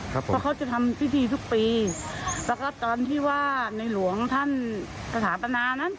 เพราะเขาจะทำพิธีทุกปีแล้วก็ตอนที่ว่าในหลวงท่านสถาปนานั้น